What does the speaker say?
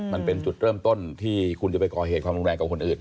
มันเป็นจุดเริ่มต้นที่คุณจะไปก่อเหตุความรุนแรงกับคนอื่น